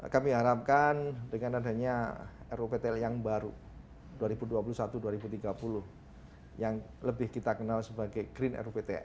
kami harapkan dengan adanya ruptl yang baru dua ribu dua puluh satu dua ribu tiga puluh yang lebih kita kenal sebagai green rptl